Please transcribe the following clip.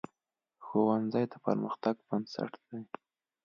ښوونځی د پرمختګ بنسټ دی